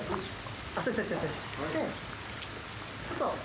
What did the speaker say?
ちょっと。